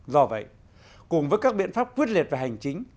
do vậy cùng với các biện pháp quyết liệt về hành chính